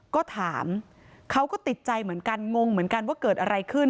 ก็ถามเขาก็ติดใจเหมือนกันงงเหมือนกันว่าเกิดอะไรขึ้น